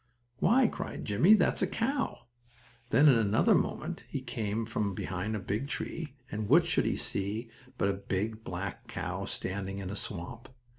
"Why!" cried Jimmie. "That's a cow!" Then, in another moment he came from behind a big tree, and what should he see but a big, black cow, standing in a swamp.